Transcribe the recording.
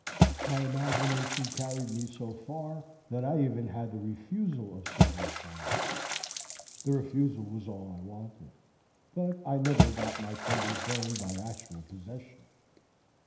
My imagination carried me so far that I even had the refusal of several farms,—the refusal was all I wanted,—but I never got my fingers burned by actual possession.